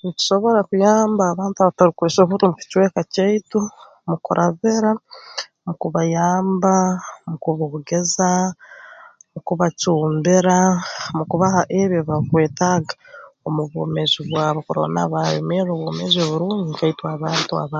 Nitusobora kuyamba abantu abatarukwesobora omu kicweka kyaitu mu kurabira mu kubayamba mu kuboogeza mu kubacumbira mu kubaha ebi ebi barukwetaaga omu bwomeezi bwabo kurora nabo baayomeera obwomeezi oburungi nka itwe abantu abaa